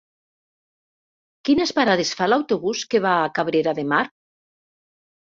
Quines parades fa l'autobús que va a Cabrera de Mar?